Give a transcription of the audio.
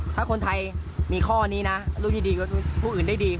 ถ้าคนไทยมีข้อนี้นะลูกดีก็ผู้อื่นได้ดี